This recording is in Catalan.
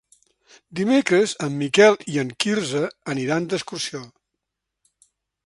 Dimecres en Miquel i en Quirze aniran d'excursió.